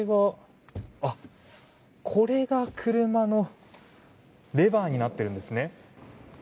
これが車のレバーになっているんですね。